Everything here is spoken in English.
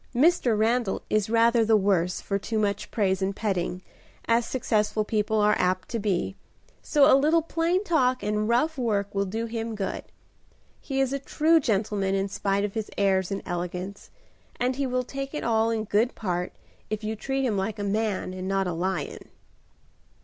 Mr. Randal is rather the worse for too much praise and petting, as successful people are apt to be, so a little plain talk and rough work will do him good. He is a true gentleman in spite of his airs and elegance, and he will take it all in good part, if you treat him like a man and not a lion."